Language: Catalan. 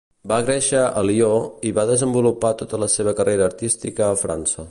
Va créixer a Lió i va desenvolupar tota la seva carrera artística a França.